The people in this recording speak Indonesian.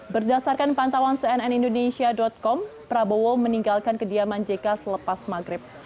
berdasarkan pantauan cnn indonesia com prabowo meninggalkan kediaman jk selepas maghrib